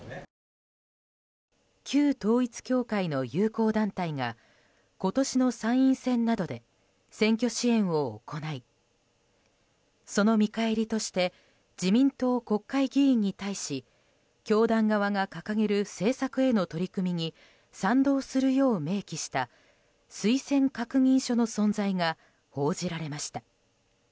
旧統一教会の友好団体が今年の参院選などで選挙支援を行いその見返りとして自民党国会議員に対し教団側が掲げる政策への取り組みに賛同するよう明記した推薦確認書の存在が報じられました。